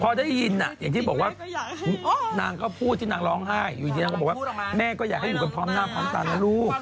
พอได้ยินอย่างที่บอกว่านางก็พูดที่นางร้องไห้อยู่ดีนางก็บอกว่าแม่ก็อยากให้อยู่กันพร้อมหน้าพร้อมตานะลูก